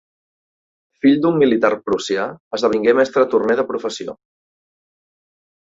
Fill d'un militar prussià, esdevingué mestre torner de professió.